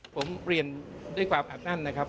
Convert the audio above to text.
ผมเรียนด้วยความอัดอั้นนะครับ